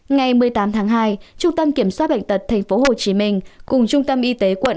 ngày một mươi tám tháng hai trung tâm kiểm soát bệnh tật tp hcm cùng trung tâm y tế quận